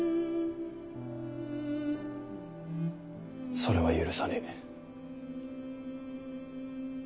それは許さねぇ。